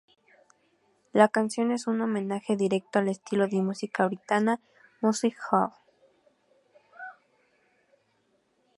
La canción es un homenaje directo al estilo de música británica "music hall".